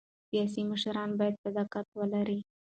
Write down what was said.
سیاسي مشران باید صداقت ولري